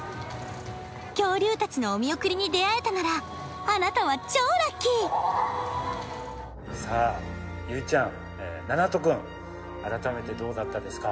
恐竜たちのお見送りに出会えたならあなたは超ラッキーさあゆいちゃんななとくん改めてどうだったですか？